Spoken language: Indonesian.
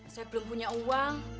saya belum punya uang